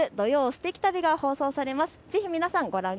すてき旅が放送されます。